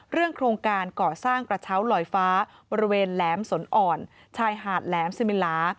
โครงการก่อสร้างกระเช้าลอยฟ้าบริเวณแหลมสนอ่อนชายหาดแหลมสิมิลา